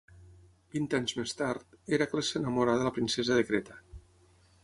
Vint anys més tard, Hèracles s'enamora de la princesa de Creta.